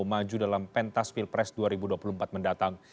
maju dalam pentas pilpres dua ribu dua puluh empat mendatang